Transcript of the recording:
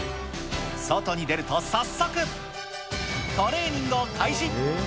外に出ると早速トレーニングを開始。